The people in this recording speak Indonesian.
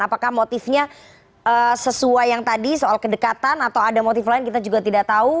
apakah motifnya sesuai yang tadi soal kedekatan atau ada motif lain kita juga tidak tahu